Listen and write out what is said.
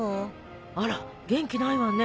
あら元気ないわね。